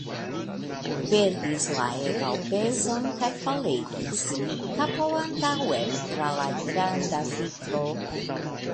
Perdis la egalpezon kaj falegis, kapo antaŭen, tra la granda vitro.